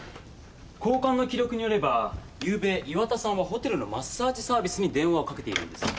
交換の記録によればゆうべ岩田さんはホテルのマッサージサービスに電話をかけているんです。